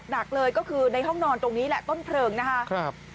หนักเลยก็คือในห้องนอนตรงนี้แหละต้นเพลิงนะครับ